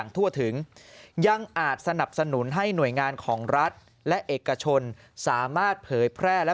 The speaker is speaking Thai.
ทั่วถึงยังอาจสนับสนุนให้หน่วยงานของรัฐและเอกชนสามารถเผยแพร่และ